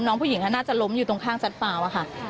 น้องผู้หญิงเขาน่าจะล้มอยู่ตรงข้างซัดเปล่าอะค่ะ